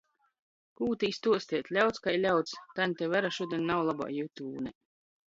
Kū tī stuostēt? Ļauds kai ļauds! taņte Vera šudiņ nav lobā jutūnē.